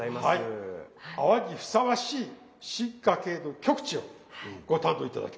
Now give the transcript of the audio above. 泡にふさわしい進化系の極致をご堪能頂きます。